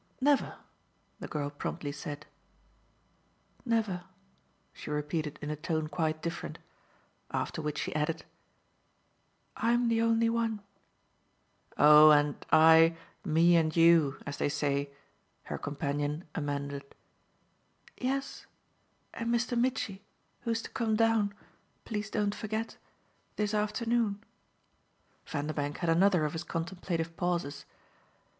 "Never," the girl promptly said. "Never," she repeated in a tone quite different. After which she added: "I'm the only one." "Oh, and I 'me and you,' as they say," her companion amended. "Yes, and Mr. Mitchy, who's to come down please don't forget this afternoon." Vanderbank had another of his contemplative pauses.